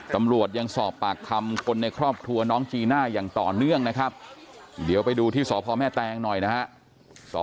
ตำรวจยังสอบปากคำคนในครอบครัวน้องจีน่าอย่างต่อเนื่องนะครับเดี๋ยวไปดูที่สพแม่แตงหน่อยนะครับ